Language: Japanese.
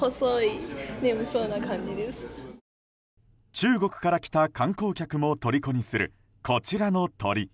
中国から来た観光客もとりこにするこちらの鳥。